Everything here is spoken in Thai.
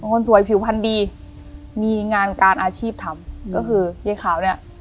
คนสวยผิวพันธุ์ดีมีงานการอาชีพทำก็คือยายขาวเนี่ย